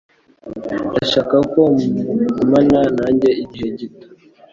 Ndashaka ko mugumana nanjye igihe gito.